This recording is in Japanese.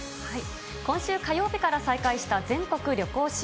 今週火曜日から再開した全国旅行支援。